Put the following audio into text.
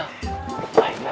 kamu gapapa aida